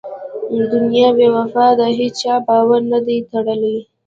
دنیا بې وفا ده هېچا بار نه دی تړلی.